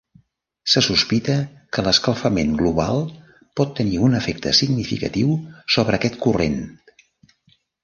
Se sospita que l'escalfament global pot tenir un efecte significatiu sobre aquest corrent.